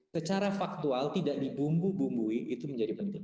secara faktual tidak dibumbu bumbui itu menjadi penting